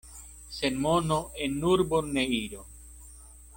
Sen mono en urbon ne iru.